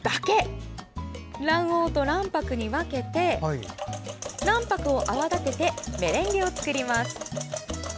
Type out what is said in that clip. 卵黄と卵白に分けて卵白を泡立ててメレンゲを作ります。